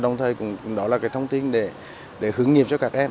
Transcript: đồng thời đó là thông tin để hướng nghiệp cho các em